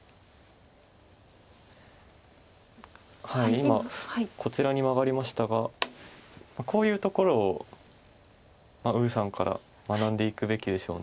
今こちらにマガりましたがこういうところを呉さんから学んでいくべきでしょう。